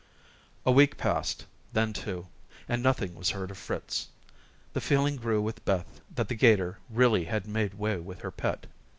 A week passed; then two, and nothing was heard of Fritz. The feeling grew with Beth that the 'gator really had made way with her pet.